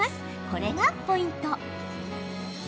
これがポイント。